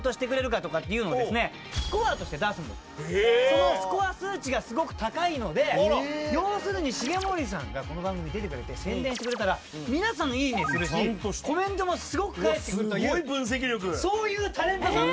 そのスコア数値がすごく高いので要するに重盛さんがこの番組出てくれて宣伝してくれたら皆さんいいねするしコメントもすごく返ってくるというそういうタレントさん。